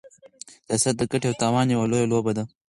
سياست د ګټې او تاوان يوه لويه لوبه ده.